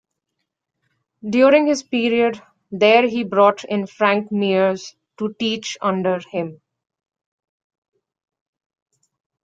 During his period there he brought in Frank Mears to teach under him.